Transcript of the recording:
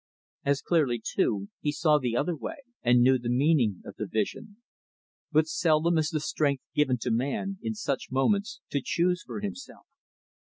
As clearly, too, he saw the other way, and knew the meaning of the vision. But seldom is the strength given to man, in such moments, to choose for himself.